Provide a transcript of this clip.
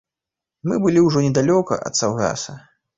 Мы былі ўжо недалёка ад саўгаса.